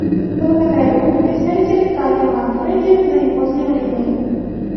Благодарю представителя Италии Манфреди за его заявление.